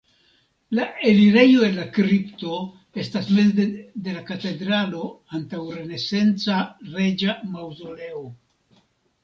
La elirejo el la kripto estas meze de la katedralo antaŭ renesanca reĝa maŭzoleo.